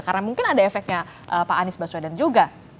karena mungkin ada efeknya pak anies baswedan juga